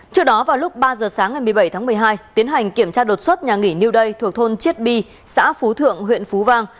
trước đó vào lúc ba giờ sáng ngày một mươi bảy tháng một mươi hai tiến hành kiểm tra đột xuất nhà nghỉ new day thuộc thôn chiết bi xã phú thượng huyện phú vang